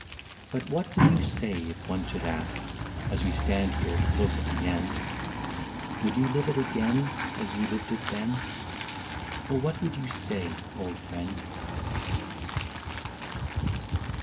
" But what would you say, if one should ask, ^ As we stand here close at the end :—* Would you live it again, as you lived it then ? Oh ! what would you say, old friend